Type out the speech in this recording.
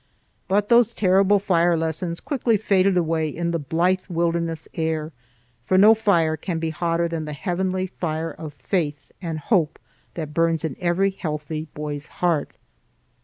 But those terrible fire lessons quickly faded away in the blithe wilderness air; for no fire can be hotter than the heavenly fire of faith and hope that burns in every healthy boy's heart.